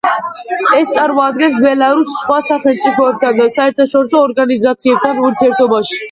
ის წარმოადგენს ბელარუსს სხვა სახელმწიფოებთან და საერთაშორისო ორგანიზაციებთან ურთიერთობაში.